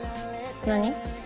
何？